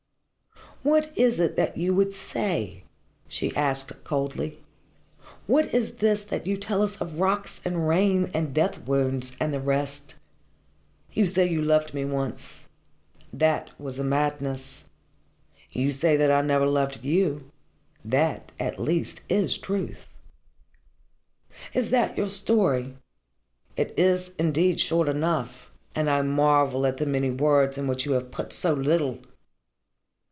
"What is it that you would say?" she asked coldly. "What is this that you tell us of rocks and rain, and death wounds, and the rest? You say you loved me once that was a madness. You say that I never loved you that, at least, is truth. Is that your story? It is indeed short enough, and I marvel at the many words in which you have put so little!"